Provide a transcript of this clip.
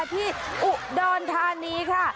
ที่อุดรธานีค่ะ